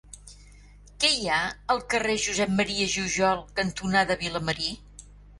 Què hi ha al carrer Josep M. Jujol cantonada Vilamarí?